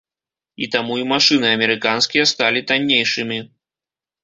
І таму і машыны амерыканскія сталі таннейшымі.